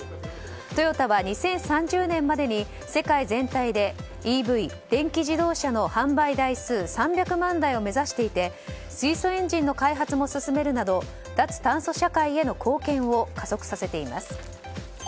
トヨタは２０３０年までに世界全体でＥＶ・電気自動車の販売台数３００万台を目指していて水素エンジンの開発を進めるなど脱炭素社会への貢献を加速させています。